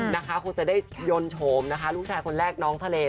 นะคะคงจะได้ยนต์โฉมนะคะลูกชายคนแรกน้องทะเล